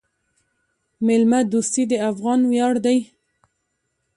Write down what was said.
میلمه دوستي د افغانانو ویاړ دی.